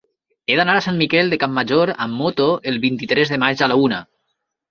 He d'anar a Sant Miquel de Campmajor amb moto el vint-i-tres de maig a la una.